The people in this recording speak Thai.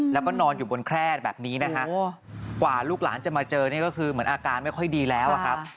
แล้วก็นอนอยู่บนแคร่แบบนี้นะฮะกว่าลูกหลานจะมาเจอนี่ก็คือเหมือนอาการไม่ค่อยดีแล้วอะครับ